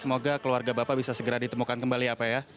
semoga keluarga bapak bisa segera ditemukan kembali ya